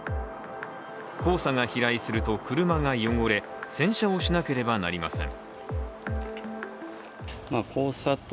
黄砂が飛来すると車が汚れ洗車をしなければなりません。